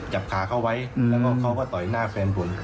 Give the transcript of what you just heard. จับขาเขาไว้แล้วก็เขาก็ต่อยหน้าแฟนผม